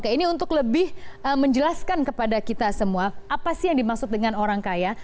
oke ini untuk lebih menjelaskan kepada kita semua apa sih yang dimaksud dengan orang kaya